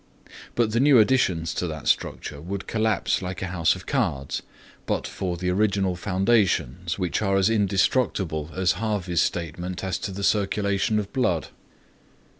But the new additions to that structure would collapse like a house of cards but for the original foundations which are as indestructible as Harvey's statement as to the circulation of the blood.